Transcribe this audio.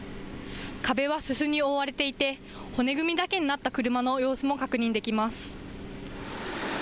壁はすすに覆われていて骨組みだけになった車の様子も確認できます。